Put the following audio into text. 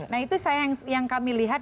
nah itu yang kami lihat